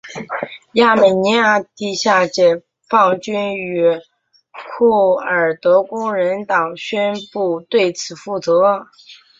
亚美尼亚地下解放军与库尔德工人党宣布对此负责。